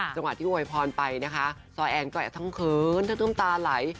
ตอนที่โหยพรไปนะคะซ้อแอนก็แอดทั้งเขินทั้งต้มตาไหล